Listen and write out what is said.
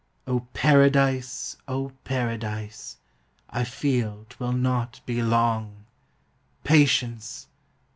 O Paradise, O Paradise, I feel 'twill not be long; Patience!